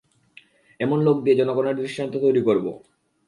এমন লোক দিয়ে জনগণের জন্য দৃষ্টান্ত তৈরী করব।